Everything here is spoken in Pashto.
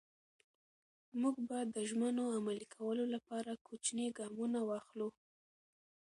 موږ به د ژمنو عملي کولو لپاره کوچني ګامونه واخلو.